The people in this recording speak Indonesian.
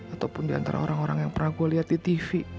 ataupun di antara orang orang yang pernah gue liat di tv